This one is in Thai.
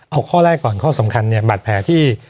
เอาข้อแรกก่อนข้อสำคัญเนี่ยบาดแผลที่